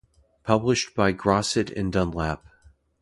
Published by Grosset and Dunlap.